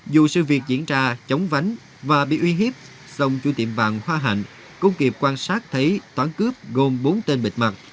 dù sự việc diễn ra chống vánh và bị uy hiếp sông chu tiệm vàng hoa hạnh cũng kịp quan sát thấy toán cướp gồm bốn tên bịt mặt